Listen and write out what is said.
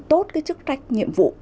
tốt cái chức trách nhiệm vụ